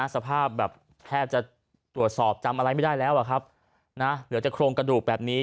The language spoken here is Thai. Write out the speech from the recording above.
สภาพแบบแทบจะตรวจสอบจำอะไรไม่ได้แล้วอะครับเหลือแต่โครงกระดูกแบบนี้